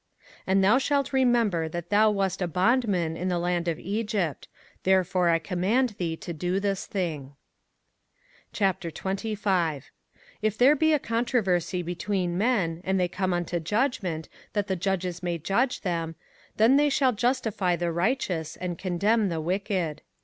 05:024:022 And thou shalt remember that thou wast a bondman in the land of Egypt: therefore I command thee to do this thing. 05:025:001 If there be a controversy between men, and they come unto judgment, that the judges may judge them; then they shall justify the righteous, and condemn the wicked.